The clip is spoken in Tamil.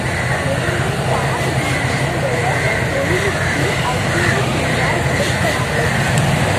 எனினும் தான்பிரீனுடைய தொழிலுக்கு அவ்வீடு பின்னால் கிடைக்கவில்லை.